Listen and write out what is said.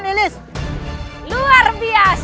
nilis luar biasa